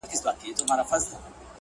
لاري د مغولو چي سپرې سوې پر کېږدیو.!